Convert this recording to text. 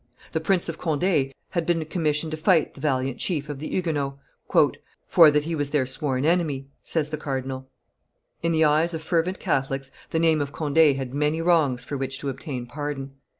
The Prince of Conde had been commissioned to fight the valiant chief of the Huguenots, "for that he was their sworn enemy," says the cardinal. In the eyes of fervent Catholics the name of Conde had many wrongs for which to obtain pardon.